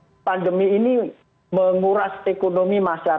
ya memang pandemi ini menguras ekonomi masyarakat